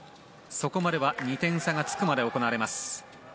そこまでは２点差がつくまで行われます。